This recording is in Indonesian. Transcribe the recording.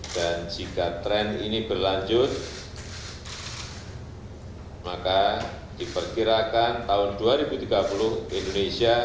dan jika tren ini berlanjut maka diperkirakan tahun dua ribu tiga puluh